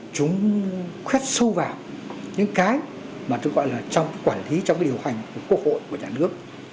chúng khuyết sâu vào những cái mà tôi gọi là trong cái quản lý trong cái điều hành của quốc hội của nhà nước